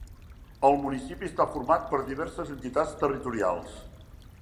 El municipi està format per diverses entitats territorials.